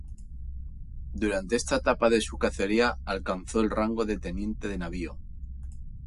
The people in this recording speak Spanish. Durante esta etapa de su carrera alcanzó el rango de teniente de navío.